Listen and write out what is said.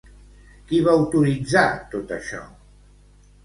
Qui va autoritzar tot això?